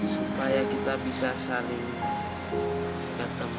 supaya kita bisa saling bertemu